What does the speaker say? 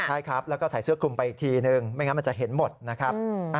ใช่ครับแล้วก็ใส่เสื้อคลุมไปอีกทีนึงไม่งั้นมันจะเห็นหมดนะครับ